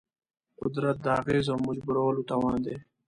قدرت د اغېز او مجبورولو توان دی.